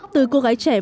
từ cô gái trẻ vân anh